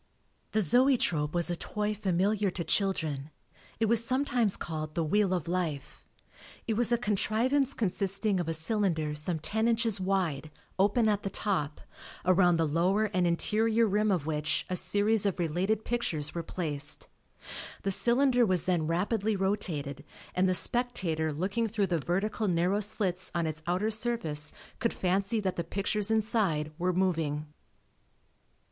The Zoetrope was a toy familiar to children; it was sometimes called the wheel of life. It was a contrivance consisting of a cylinder some ten inches wide, open at the top, around the lower and interior rim of which a series of related pictures were placed. The cylinder was then rapidly rotated and the spectator looking through the vertical narrow slits on its outer surface, could fancy that the pictures inside were moving.